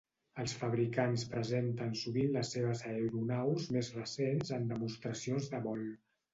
Els fabricants presenten sovint les seves aeronaus més recents en demostracions de vol.